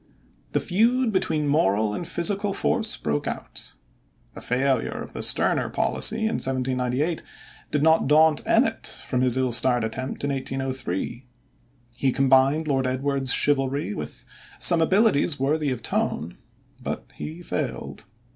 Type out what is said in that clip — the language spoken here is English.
The feud between moral and physical force broke out. The failure of the sterner policy in 1798 did not daunt Emmet from his ill starred attempt in 1803. He combined Lord Edward's chivalry with some abilities worthy of Tone, but he failed.